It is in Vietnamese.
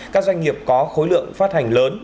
các doanh nghiệp có khối lượng phát hành lớn